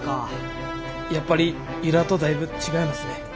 やっぱり由良とだいぶ違いますね。